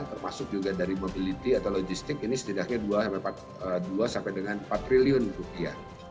termasuk juga dari mobility atau logistik ini setidaknya dua sampai dengan empat triliun rupiah